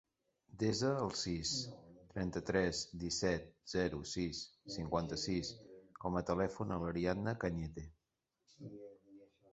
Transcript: Desa el sis, trenta-tres, disset, zero, sis, cinquanta-sis com a telèfon de l'Ariadna Cañete.